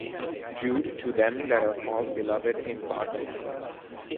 Jude, to them that are called beloved in God the Father.